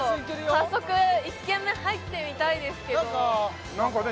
早速１軒目入ってみたいですけど何か何かね